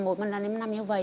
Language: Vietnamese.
mỗi lần em nằm như vậy